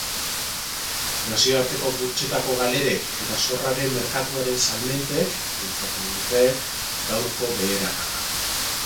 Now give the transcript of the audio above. Nazioarteko burtsetako galerek eta zorraren merkatuaren salmentek bultzatu dute gaurko beherakada.